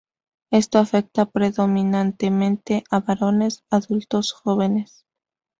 Esto afecta predominantemente a varones adultos jóvenes.